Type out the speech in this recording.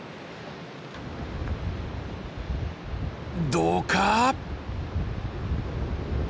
どうか。